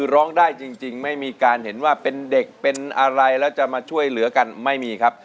ร้องได้จริงไม่มีการเห็นว่าเป็นเด็กเป็นอะไรแล้วจะมาช่วยเหลือกันไม่มีครับ